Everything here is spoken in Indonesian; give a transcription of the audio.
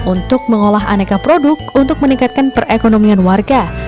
untuk mengolah aneka produk untuk meningkatkan perekonomian warga